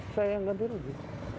saya yang ganti dulu